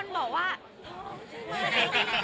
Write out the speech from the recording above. อเรนนี่ปุ๊ปอเรนนี่ปุ๊ป